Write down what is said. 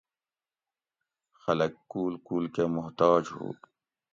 خلک کول کول کہ محتاج ہو